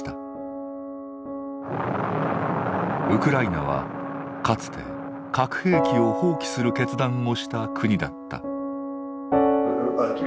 ウクライナはかつて核兵器を放棄する決断をした国だった。